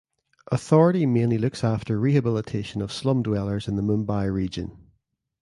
Authority mainly looks after rehabilitation of slum dwellers in the Mumbai region.